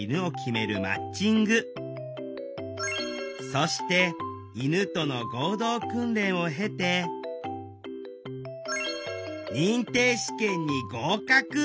そして犬との合同訓練を経て認定試験に合格！